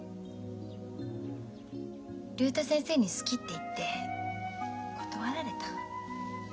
竜太先生に「好き」って言って断られた。